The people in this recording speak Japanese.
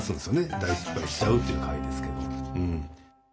大失敗しちゃうっていう回ですけど。